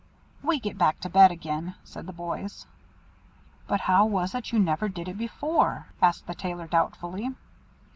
"We get back to bed again," said the boys. "But how was it you never did it before?" asked the Tailor doubtfully.